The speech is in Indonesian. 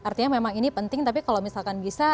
artinya ini memang penting tapi kalau bisa